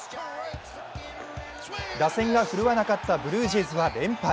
打線が振るわなかったブルージェイズは連敗。